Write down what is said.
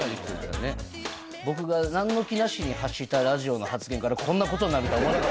僕が何の気なしに発したラジオの発言からこんなことになるとは思わなかった。